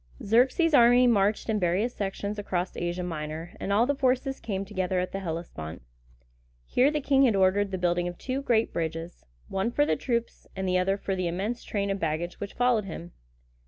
Xerxes' army marched in various sections across Asia Minor, and all the forces came together at the Hellespont. Here the king had ordered the building of two great bridges, one for the troops, and the other for the immense train of baggage which followed him.